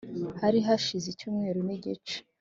Hari hashize icyumweru nigice